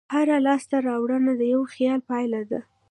هره لویه لاستهراوړنه د یوه خیال پایله ده.